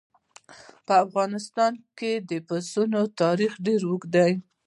په افغانستان کې د پسونو تاریخ ډېر اوږد دی.